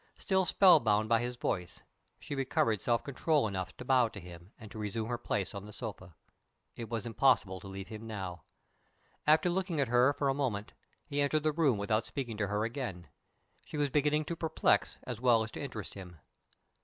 Still spell bound by his voice, she recovered self control enough to bow to him and to resume her place on the sofa. It was impossible to leave him now. After looking at her for a moment, he entered the room without speaking to her again. She was beginning to perplex as well as to interest him.